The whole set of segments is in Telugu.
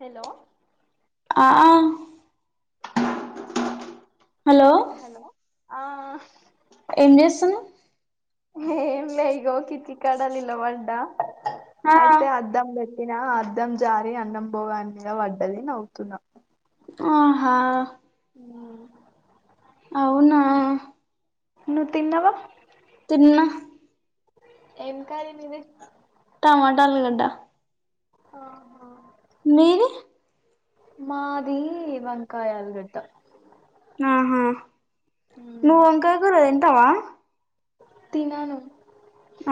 హలో ఆ హలో హలో ఆ ఏం చేస్తున్నవ్ ఏం లె ఇగో కిటికీ కాడ నిలబడ్డ ఆ ఐతే అద్ధం బెట్ ఇనా అద్దం జారి అన్నం భోగాన్ మీద పడ్డది నవ్వుతున్నా ఆహా ఊ అవునా నువ్ తిన్నవా తిన్న ఏం కర్రీ నీది టమాట ఆలుగడ్డ ఆహా నీది మాది వంకాయ ఆలుగడ్డ ఆహా ఊ నువ్ వంకాయ కూర తింటవ తినను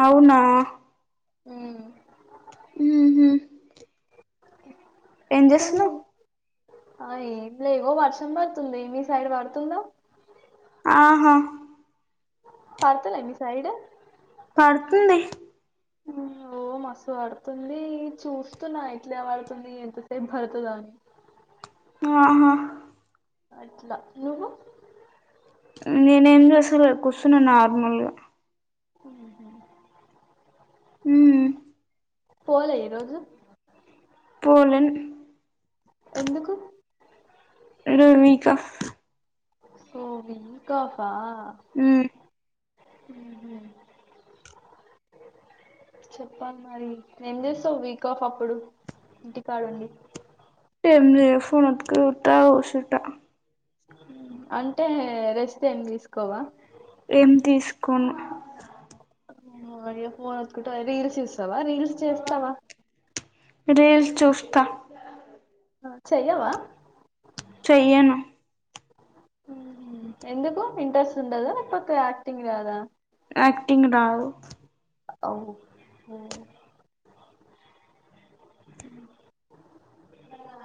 అవునా ఊ ఉహు ఏం కనీ చేస్తున్నావ్ ఆ ఏం లే ఇగో వర్షం పడుతుంది మీ సైడ్ పడుతుందో ఆహా పర్తలె మీ సైడ్ పడుతుంది ఓ మస్తు పడుతుంది చూస్తున్నా ఇట్లే పడుతుంది ఎంతసేపు పడుతదో అని ఆహా అట్లా నువ్వు నేనేం చేసలె కూర్చున్న నార్మల్ గా మ్ హ్మ్ ఉ పోలే ఈరోజు పోలేన్ ఎందుకు రూవికోఫ్ ఒహ్ వీక్ఒఫ్ఫ్ఫ ఉమ్ అహ్మ్ చెప్పాలి మరి ఎం చేస్తావ్ వీక్ ఆఫ్ అప్పుడు ఇంటి కాడండి ఏంలేదు ఫోన్ అటుకుని చూత కూర్చుంటా అంటే రెస్ట్ ఏం తీస్కోవా ఏం తీస్కును అయ్యో ఫోన్ వత్తుకుంటా రీల్స్ చుస్తావా రీల్స్ చేస్తావా రీల్స్ చూస్తా ఆ చెయవా చెయ్యను ఎందుకు ఇంట్రెస్ట్ ఉండదా లెక్పోతే యాక్టింగ్ రాదా యాక్టింగ్ రావు ఓకే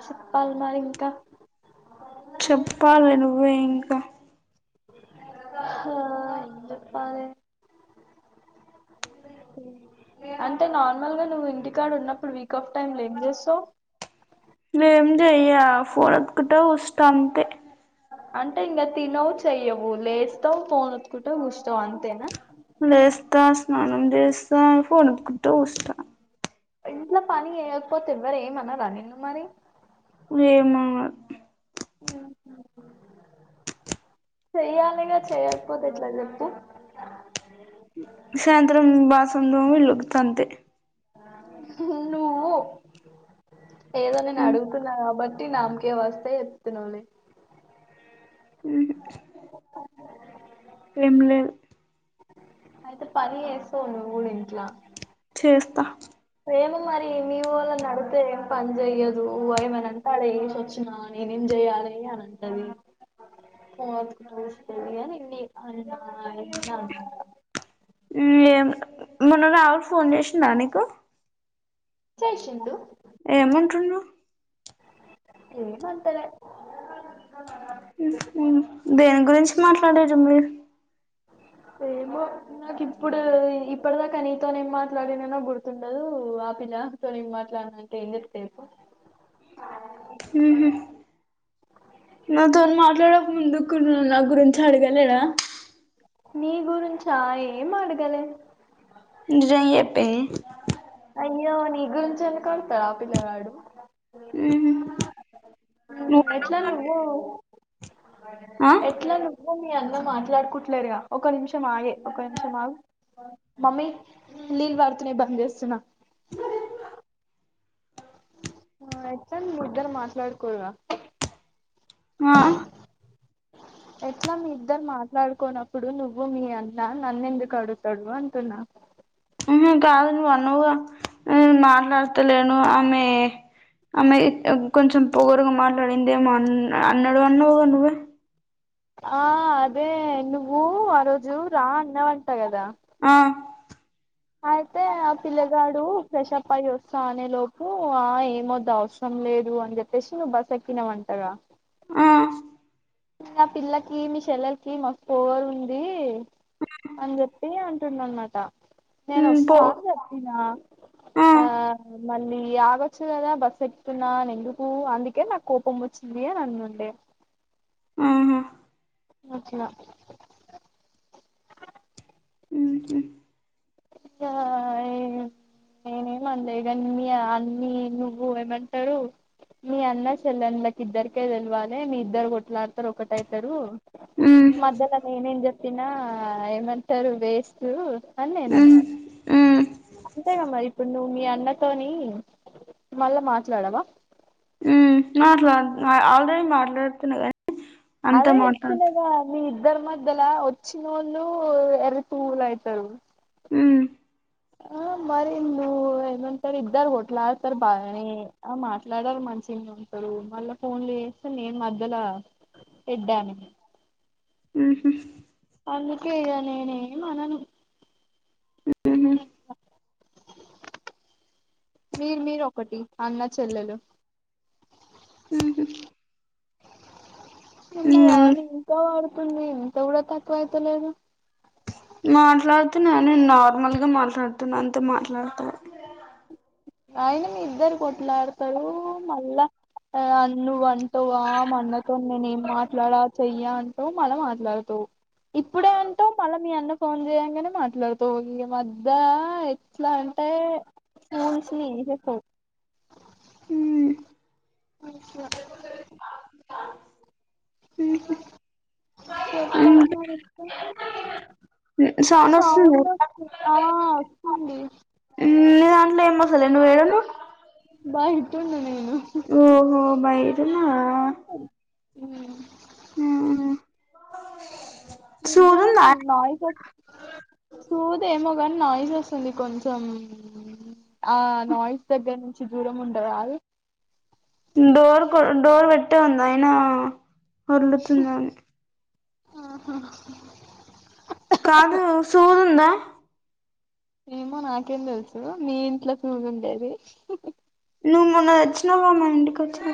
చెప్పాలి మరి ఇంకా చెప్పాలి నువ్వే ఇంకా ఆ ఏం చెప్పాలి అంటే నార్మల్గా నువ్వు ఇంటి కాడ ఉన్నప్పుడు వీక్ ఆఫ్ టైమ్లొ ఏంచేస్తావ్ ఏం చెయ్య ఫోనేత్కుంట సూస్త అంతే అంటే ఇంకా తినవు చెయ్యవు లేస్తావు ఫోన్ అటుకుంటావ్ చూస్తావ్ అంతేనా లేస్తా స్నానం చేస్తా ఫోన్ అట్టుకుంటూ చూస్తా ఇంట్లో పని చేయకపోతే ఎవరు ఏమన్నారా నిన్ను మరి ఏమనరూ ఆహా చెయ్యాలిగా చేయకపోతే ఎట్లా చెప్పు సాయంత్రం బసన్లుతోమి ఇళ్లులుడుతాంతే నువ్వు ఏదో నేను అడుగుతున్నా కాబట్టి నామకే వస్తే చెప్తున్నావులే ఉహు [unintelligible] ఎంలేదు అయితే పని చేస్తావ్ నువ్వ్ కూడా ఇంట్ల చేస్తా ఏమో మరి మీవోల్లనడుగుతే ఏం పని చెయదు ఏమనంటే ఆడ యేసోచిన నేనేం జెయ్యాలే అని అంటది పోనోతుకు చూస్తుంది అనిన్ని అ ఇన్నాను ఉమ్ ఏం మొన్న రాహుల్ ఫోన్ చేసిండా నీకు చేసిండు ఏమంటుండు ఎం అంటలే ఊహు దేని గురించి మాట్లాడాడు మీర్ ఏమో నాకు ఇప్పుడు ఇప్పటిదాకా నీతోనే ఏం మాట్లాడినానో గుర్తుండదు ఆపిలా తో ఏం మాట్లాడిన అంటే ఏం చెప్తా చెప్పు ఊహు నాతోనీ మాట్లాడక ముందు కును నా గురించి అడగాలేదా నీ గురించా ఏం అడగలే నిజం చెప్పే అయ్యో నీ గురించేందుకు అడుగుతాడు ఆ పిలగాడు ఉహు ఉమ్ ఎట్లా నువ్వన్నావుగా నువ్వు ఆ ఎట్లా నువ్వు మీ అన్న మాట్లాడుకుట్లేరుగా ఒక నిమిషం ఆగే ఒక నిమిషం ఆగు మమ్మీ నీళ్ళు పడుతున్నాయ్ బంద్ చేస్తున్నా [inaudible] ఆ ఏట్లో మీ ఇద్దరు మాట్లాడుకోరుగా ఆ [inaudible] ఎట్లా మీ ఇద్దరు మాట్లాడుకోనప్పుడు నువ్వు మీ అన్న నన్ను ఎందుకు అడుగుతాడు అంటున్నా ఊహు కాదు నువ్వు అన్నావుగా నేను మాట్లాడతలేను ఆమె ఆమె కొంచెం పొగరుగా మాట్లాడిందేమో అ అన్నాడు అన్నావుగా నువ్వే ఆ అదే నువ్వు ఆ రోజు రా అన్నావంటా గాదా ఆ అయితే ఆ పిల్లగాడు ఫ్రెషప్యి వస్తా అనే లోపు ఆ ఏమొద్దు అవసరం లేదు అని చె ప్పేసి నువ్వు బస్సు ఎక్కినవంట కదా ఆ నా పిల్లకి మీ చెల్లెలకి మాస్ పోగరు ఉంది అని చెప్పి అ టున్నాడు అనమాట నేను ఉమ్ పో వస్తా చెప్పిన ఆ మళ్ళీ ఆగొచ్చు కదా బస్ ఎతున్నాని ఎందుకు అందుకే నాకు కోపం వచ్చింది అని అన్నుండే ఆహా అట్లా ఆహ ఆ నేనేమన్లే ఇగ అన్ని నువ్వు ఏమంటారు మీ అన్న చెల్లెండ్లకి ఇద్దరికే తెలవాలే మీ ఇద్దరు కొట్లాడతారు ఒకటైతారు ఉమ్ మధ్యల నేనేం చెప్పిన ఏమంటారు వేస్ట్ అని ఉమ్ నేనన్న ఉమ్ అంతేగా మరి ఇప్పుడు నువ్వు మీ అన్నతోని మళ్ళా మాట్లాడవా ఉమ్ మాట్లా ఆల్రెడీ మాట్లాడుతున్నా కానీ అంతా అదే మాట్లాడు చెప్తున్నాగా మీ ఇద్దర్ మధ్యల వచ్చినోల్లు ఎర్రి పువ్వులు అయితారు ఉ ఆ మరి నువ్ ఏమంటరు ఇద్దరు కోట్లడతారు బాగానే ఆ మాట్లాడారు మంచినే అంటరు మళ్ళా ఫోన్లు చేస్త నేను మధ్యల ఎడ్డిమెనే ఉహ అందుకే ఇగ నేనేం అనను ఉహు మీరు మీరు ఒకటి అన్న చెల్లెలు ఉహు ఇమ్మ ఉమ్ వాని ఇంకా వాడుతుంది ఇంత కూడా తక్కువ అయితలేదు మాట్లాడుతున్నాను నార్మల్ గా మాట్లాడుతున్నా అంత మాట్లాడత ఆయిన మీ ఇద్దరు కొట్లాడతారు మళ్ళా అ నువ్ అంటావా మా అన్నతో నేను ఏం మాట్లాడా చెయ్య అంటవ్ మళ్ళ మాట్లాడుతావు ఇప్పుడే అంట మళ్ళా మీ అన్న ఫోన్ చేయంగానే మాట్లాడుతవ్ ఈ మద్ద ఇట్లా అంటే ఫూల్స్ ని చేసేస్తావ్ మాట్లాడతాలే ఉహు చెత అ సౌండ్ సౌ వస్తుంది ఆ వస్తుంది నీ దాంట్లో ఎం వస్తలే నువ్ ఏడున్నవ్ బయట ఉన్న నేను ఓహో బయట ఉన్నవ ఉ ఉహు నిద్దర నయిస్ వస్తు చూదేమో కాని నాయిస్ వస్తుంది కొంచెం ఆ నాయిస్ దగ్గర నుంచి దూరం ఉండరాదు డోర్ కొ డోర్ పెట్టే ఉంది అయినా వర్లుతుందేమో ఆహా కాదు సూది ఉందా ఏమో నాకేం తెలుసు మీ ఇంట్లో తూమి ఉండేది నువ్వు మొన్న వచ్చినావవా మా ఇంటికి వచ్చిన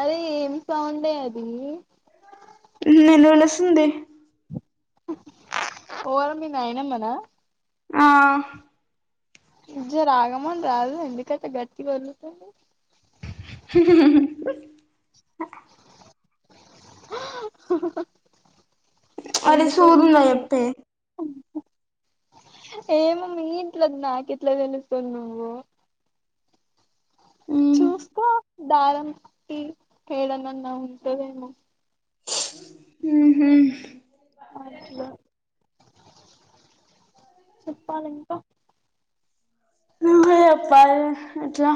అదే ఏం సౌండే అది నిను పిలుస్తుంది ఓరు మి నాయనమ్మ నా ఆ జర ఆగమనరాదు ఎందుకంట అట్ట గట్టిగా ఒర్లుతుంది హ అరె ఎందుకు సూరున్నా ఒర్లుతుంది ఎప్పే ఏమో మీ ఇంట్లది నాకు ఇట్ల తెలుస్తుంది నువ్వు ఉ చూస్త దారంకి ఏడనన్నా ఉంటదేమో ఉహు అట్లే చెప్పాల ఇంకా నువ్వే చెప్పాలి ఎట్లా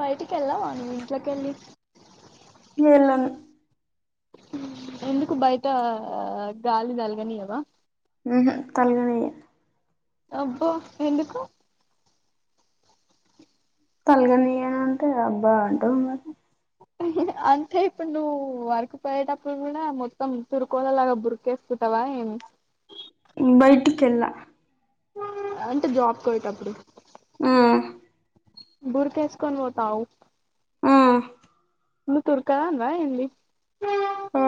బయటికిళ్ళవ నువు ఇంట్లో కెళ్ళి ఎళ్ళను ఎందుకు బయట ఆ గాలి తగలనియావా ఉహు తల్గనియ్య అబ్బ ఎందుకు తలగనియ అంటే అబ్బా అంటవ్ అంటే ఇప్పుడు నువ్వు వర్క్ కు పోయేటప్పుడు కూడా మొత్తం తురుకోలలాగా బురికేస్ [unintelligible] బైటికెళ్ళ అంటే జాబ్కి పోయేటప్పుడు ఆ బుర్క ఎసుకొని పోతావు ఆ నువ్వు తురక దానివ ఏంది ఆ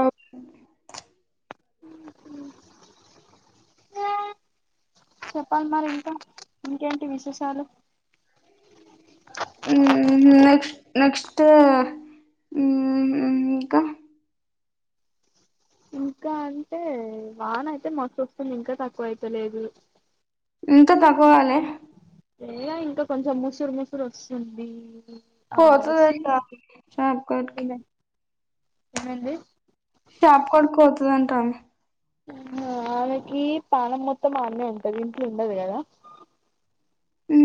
చెప్పాలి మరి ఇంక ఇంకేంటి విశేషాలు నెక్స్ట్ నెక్స్ట్ ఇంక ఇంకా అంటే వాన అయితే మస్తు వస్తుంది ఇంక తక్కువ అయిత లేదు ఇంకా తక్కువాలే [unintelligible] లేగ ఇంక కొంచెం ముసరు ముసరు వస్తుంది ఆ పోతాది అక్క వస్తుంది [unintelligible] ఏమండి షాప్ కాడికి పోతదంట ఆమె ఆమెకి పాణం మొత్తం అన్నే ఉంటది ఇంట్లో ఉండదు కదా ఉ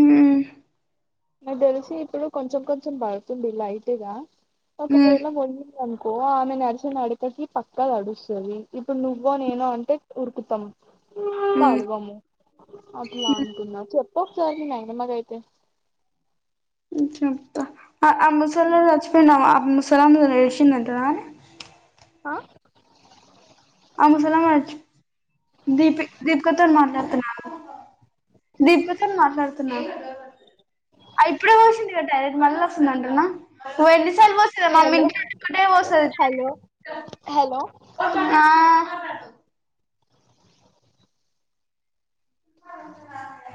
నాకు తెలిసి ఇప్పుడు కొంచెం కొంచెం పడుతుంది లైట్గ ఉమ్ ఒకవేళ [unintelligible] అనుకో ఆమె [unintelligible] నాడకకి పక్క నడుస్తుంది ఇప్పుడు నువ్వ నేన అంటే ఉరుకుతాం ఉమ్ తడవము అట్లా అంటున్న చెప్పు ఒకసారి [unintelligible] అయితే చెప్త ఆ [unintelligible] ఆ ఆ ముసలామె దీపిక తోని మాట్లాడుతున్న దీపిక తోని మాట్లాడుతున్న [unintelligible] ఆ ఇప్పుడే పో వచ్చింది [unintelligible] మళ్ళీ వస్తుందంటున్న హలో [unintelligible] హలో హలో ఆ